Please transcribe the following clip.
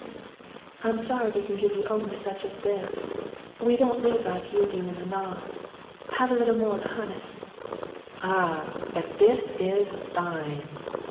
"I'm sorry we can give you only such as this. We don't live like you do in the no'th. Have a little more of the honey." "Ah, but this is fine.